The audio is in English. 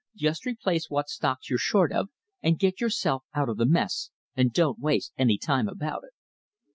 "Just replace what stocks you're short of and get yourself out of the mess, and don't waste any time about it."